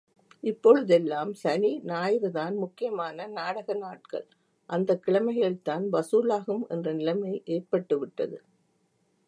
இப்பொழுதெல்லாம் சனி, ஞாயிறுதாம் முக்கியமான நாடக நாட்கள் அந்தக் கிழமைகளில்தான் வசூலாகும் என்ற நிலைமை ஏற்பட்டு விட்டது.